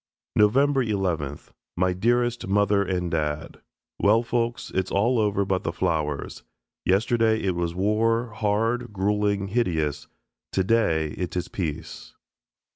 November 11th. My dearest Mother and Dad: Well, folks, it's all over but the flowers. Yesterday it was war, hard, gruelling, hideous. Today it is peace.